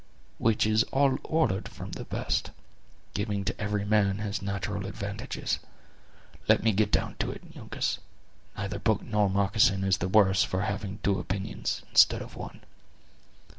Which is all ordered for the best, giving to every man his natural advantages. Let me get down to it, Uncas; neither book nor moccasin is the worse for having two opinions, instead of one."